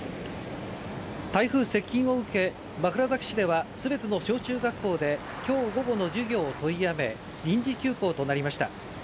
台風接近を受け、枕崎市では全ての小中学校で今日午後の授業を取りやめ、臨時休校となりました。